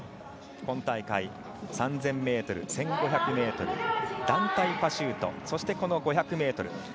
今大会１３００ｍ、１５００ｍ団体パシュート、そして５００ｍ。